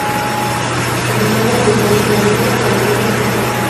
El bisonte americano es herbívoro; come hierbas y juncos.